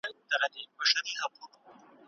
تفسیر د ایاتونو ژورتیا راښيي.